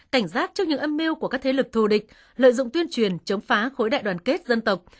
cảnh giác trước những âm mưu của các thế lực thù địch lợi dụng tuyên truyền chống phá khối đại đoàn kết dân tộc